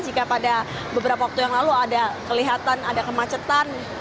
jika pada beberapa waktu yang lalu ada kelihatan ada kemacetan